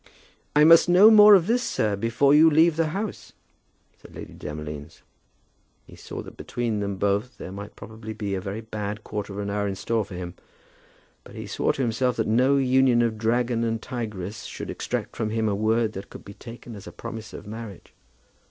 "I must know more of this, sir, before you leave the house," said Lady Demolines. He saw that between them both there might probably be a very bad quarter of an hour in store for him; but he swore to himself that no union of dragon and tigress should extract from him a word that could be taken as a promise of marriage.